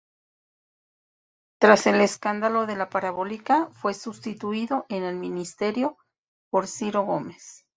Tras el "escándalo de la parabólica" fue sustituido en el ministerio por Ciro Gomes.